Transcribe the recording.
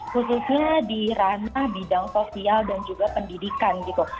khususnya di ranah bidang sosial dan juga pendidikan gitu